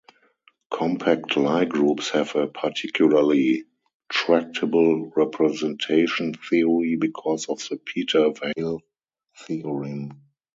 Compact Lie groups have a particularly tractable representation theory because of the Peter-Weyl theorem.